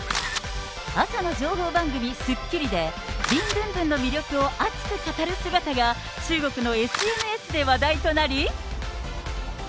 朝の情報番組、スッキリでビンドゥンドゥンの魅力を熱く語る姿が、中国のＳＮＳで話題となり。